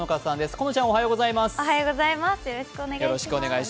このちゃんおはようございます。